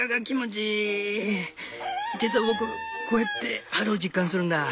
実は僕こうやって春を実感するんだ。